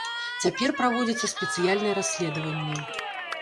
Цяпер праводзіцца спецыяльнае расследаванне.